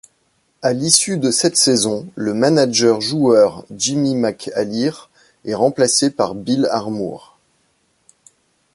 À l'issue de cette saison, le manager-joueur Jimmy McAleer est remplacé par Bill Armour.